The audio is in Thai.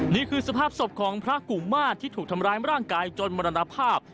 นี่คือสภาพศพของพระกุมาตรที่ถูกทำร้ายร่างกายจนมรณภาพ